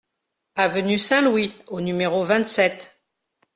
Avenue Saint-Louis au numéro vingt-sept